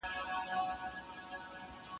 بېرته باغ ته شو ستانه